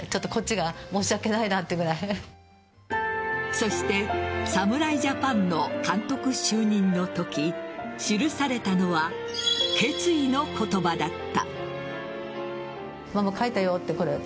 そして侍ジャパンの監督就任のとき記されたのは決意の言葉だった。